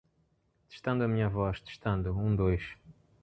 Gostaria de testar a minha voz